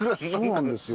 そうなんですよ。